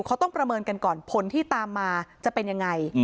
เขาต้องประเมินกันก่อนผลที่ตามมาจะเป็นยังไง